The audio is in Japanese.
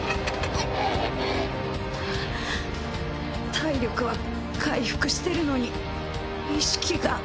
体力は回復してるのに意識が。